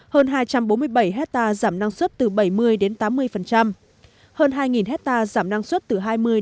hơn hai trăm bốn mươi bảy hectare giảm năng suất từ bảy mươi đến tám mươi hơn hai hectare giảm năng suất từ hai mươi năm mươi